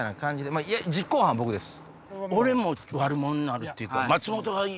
まぁ実行犯僕です。